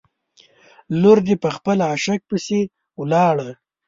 لور دې په خپل عاشق پسې ولاړه.